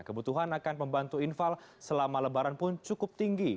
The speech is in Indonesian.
kebutuhan akan pembantu infal selama lebaran pun cukup tinggi